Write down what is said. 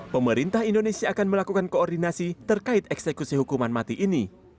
pemerintah indonesia akan melakukan koordinasi terkait eksekusi hukuman mati ini